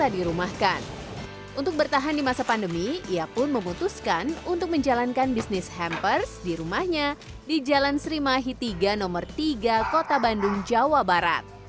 di jalan sri mahi tiga nomor tiga kota bandung jawa barat